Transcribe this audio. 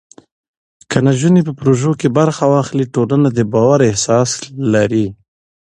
که نجونې په پروژو کې برخه واخلي، ټولنه د باور احساس لري.